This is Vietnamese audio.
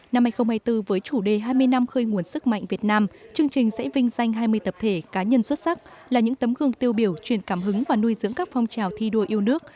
năm hai nghìn hai mươi bốn với chủ đề hai mươi năm khơi nguồn sức mạnh việt nam chương trình sẽ vinh danh hai mươi tập thể cá nhân xuất sắc là những tấm gương tiêu biểu truyền cảm hứng và nuôi dưỡng các phong trào thi đua yêu nước